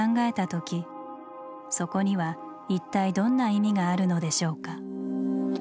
そこには一体どんな意味があるのでしょうか？